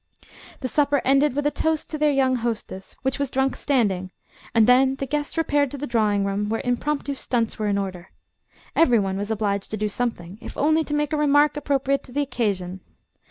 The supper ended with a toast to their young hostess, which was drunk standing, and then the guests repaired to the drawing room, where impromptu stunts were in order. Every one was obliged to do something, if only to make a remark appropriate to the occasion.